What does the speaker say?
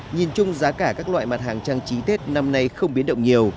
nhìn chung giá cả các loại mặt hàng trang trí tết năm nay không biến động nhiều